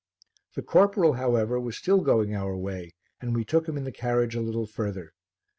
The corporal, however, was still going our way and we took him in the carriage a little further.